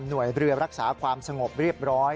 เรือรักษาความสงบเรียบร้อย